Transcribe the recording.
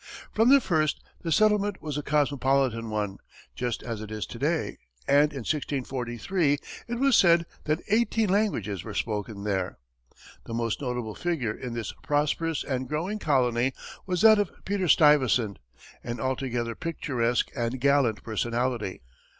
From the first, the settlement was a cosmopolitan one, just as it is to day, and in 1643, it was said that eighteen languages were spoken there. The most notable figure in this prosperous and growing colony was that of Peter Stuyvesant, an altogether picturesque and gallant personality.